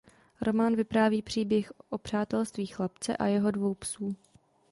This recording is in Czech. Román vypráví příběh o přátelství chlapce a jeho dvou psů.